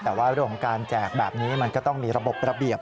แต่ว่าเรื่องของการแจกแบบนี้มันก็ต้องมีระบบระเบียบ